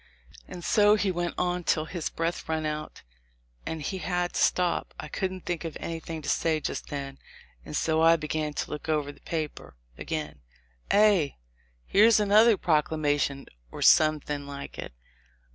And so he went on till his breath run out, and he had to stop. I couldn't think of anything to say just then, and so I begun to look over the paper 236 THE LIFE 0F LINCOLN. again. "Ay ! here's another proclamation, or some thing like it."